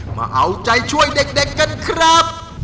มาเอาใจช่วยเด็กกันครับ